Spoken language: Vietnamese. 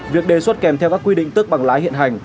việc đề xuất kèm theo các quy định tước bằng lái hiện hành